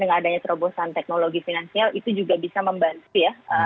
dengan adanya terobosan teknologi finansial itu juga bisa membantu ya